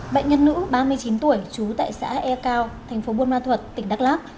bệnh nhân nữ ba mươi chín tuổi trú tại xã e cao tp buôn ma thuật tỉnh đắk lắk